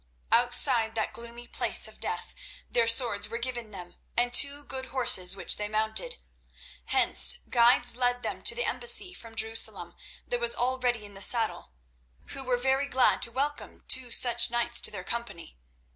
Outside that gloomy place of death their swords were given them, and two good horses, which they mounted. Hence guides led them to the embassy from Jerusalem that was already in the saddle, who were very glad to welcome two such knights to their company.